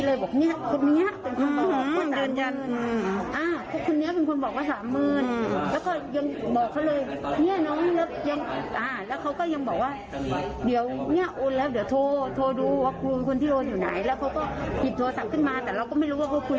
แล้วเขาก็หยิบโทรศัพท์ขึ้นมาแต่เราก็ไม่รู้ว่าเขาคุยหรือไม่คุย